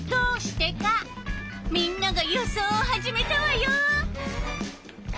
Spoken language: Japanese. みんなが予想を始めたわよ！